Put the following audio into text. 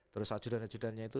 terus ajudannya ajudannya itu